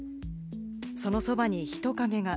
そのそばに人影が。